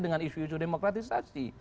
dengan isu isu demokratisasi